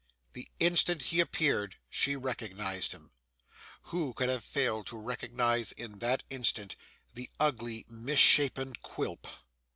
The instant he appeared, she recognised him Who could have failed to recognise, in that instant, the ugly misshapen Quilp!